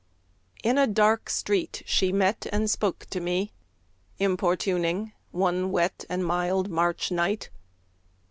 . In a dark street she met and spoke to me, Importuning, one wet and mild March night.